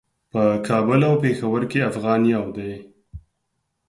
په کابل او پیښور کې افغان یو دی.